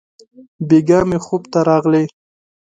بېګاه مي خوب ته راغلې!